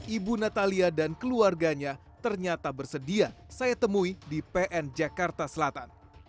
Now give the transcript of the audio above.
ibu natalia dan keluarganya ternyata bersedia saya temui di pn jakarta selatan